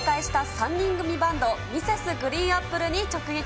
３人組バンド、Ｍｒｓ．ＧＲＥＥＮＡＰＰＬＥに直撃。